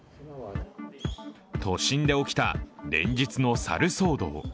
都心で起きた連日の猿騒動。